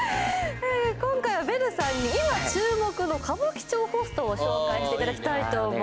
今回はベルさんに今注目の歌舞伎町ホストを紹介していただきたいと思います